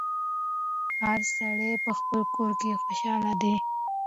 هر سړی په خپل کور کي خوشحاله دی